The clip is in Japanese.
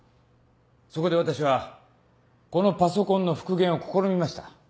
そこで私はこのパソコンの復元を試みました。